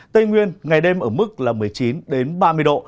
tây nguyên ngày đêm ở mức là một mươi chín ba mươi độ